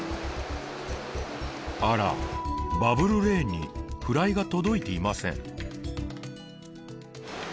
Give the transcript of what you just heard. あらバブルレーンにフライが届いていません。